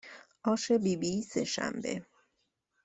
آش بیبی سهشنبه